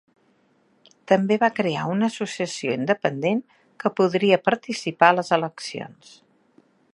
També va crear una associació independent que podria participar a les eleccions.